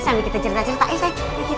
sambil kita cerita ceritain sayang